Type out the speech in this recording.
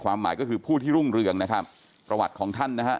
หมายก็คือผู้ที่รุ่งเรืองนะครับประวัติของท่านนะฮะ